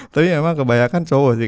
tapi memang kebanyakan cowok sih